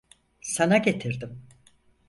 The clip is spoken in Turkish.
Sana getirdim.